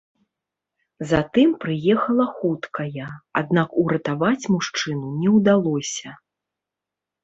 Затым прыехала хуткая, аднак уратаваць мужчыну не ўдалося.